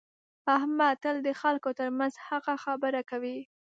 احمد تل د خلکو ترمنځ حقه خبره کوي.